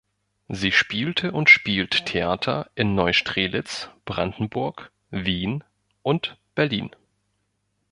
Sie spielte und spielt Theater in Neustrelitz, Brandenburg, Wien und Berlin.